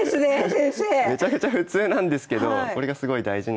めちゃくちゃ普通なんですけどこれがすごい大事なんです。